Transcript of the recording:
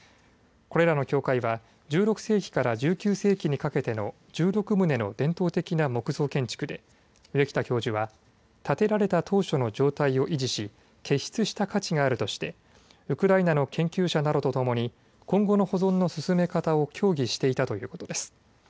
これらの教会は１６世紀から１９世紀にかけての１６棟の伝統的な木造建築で上北教授は、建てられた当初の状態を維持し傑出した価値があるとしてウクライナの研究者などとともに今後の保存の進め方を協議していたということです。